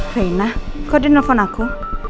reina kok dia telepon aku